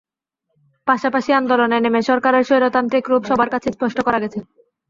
পাশাপাশি আন্দোলনে নেমে সরকারের স্বৈরতান্ত্রিক রূপ সবার কাছে স্পষ্ট করা গেছে।